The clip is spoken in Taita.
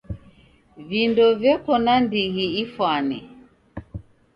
Vindo veko na ndighi ifwane .